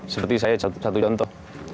seperti saya satu contoh